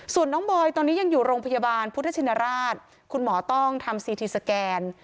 ส่วนน้องบอยตอนนี้ยังอยู่โรงพยาบาลพุทธชินราชคุณหมอต้องทำซีทีสแกน